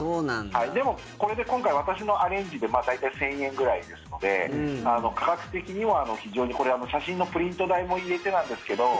でも、これ今回、私のアレンジで大体１０００円ぐらいですので価格的には、非常にこれ、写真のプリント代も入れてなんですけど。